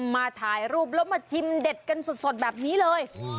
มาถ่ายรูปแล้วมาชิมเด็ดกันสดแบบนี้เลย